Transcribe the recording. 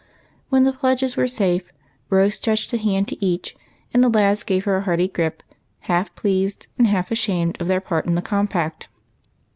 When the pledges were safe. Rose stretched a hand to each, and the lads gave hers a hearty grip, half i)leased and half ashamed of their part in the compact.